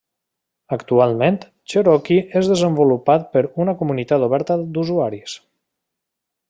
Actualment Cherokee és desenvolupat per una comunitat oberta d'usuaris.